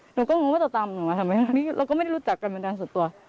หนูก็งงว่าจะตามหนูมาทำไมเราก็ไม่ได้รู้จักกันบันดาลส่วนตัว